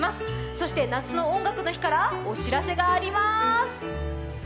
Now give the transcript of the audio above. そして夏の「音楽の日」からお知らせがあります。